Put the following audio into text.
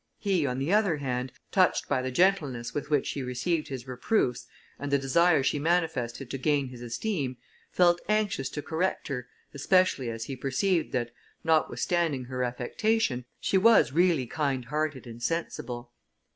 He, on the other hand, touched by the gentleness with which she received his reproofs, and the desire she manifested to gain his esteem, felt anxious to correct her, especially as he perceived that, notwithstanding her affectation, she was really kind hearted and sensible.